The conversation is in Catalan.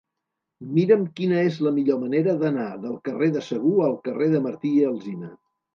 Mira'm quina és la millor manera d'anar del carrer de Segur al carrer de Martí i Alsina.